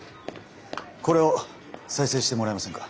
これを再生してもらえませんか？